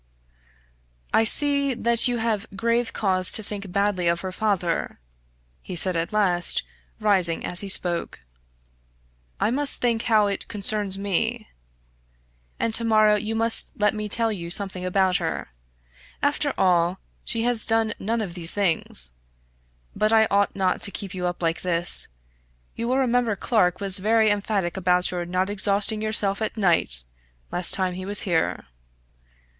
"I see that you have grave cause to think badly of her father," he said at last, rising as he spoke. "I must think how it concerns me. And to morrow you must let me tell you something about her. After all, she has done none of these things. But I ought not to keep you up like this. You will remember Clarke was very emphatic about your not exhausting yourself at night, last time he was here."